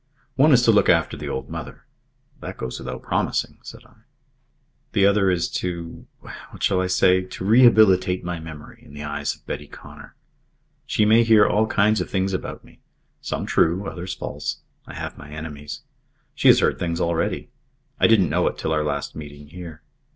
"One is to look after the old mother " "That goes without promising," said I. "The other is to what shall I say? to rehabilitate my memory in the eyes of Betty Connor. She may hear all kinds of things about me some true, others false I have my enemies. She has heard things already. I didn't know it till our last meeting here.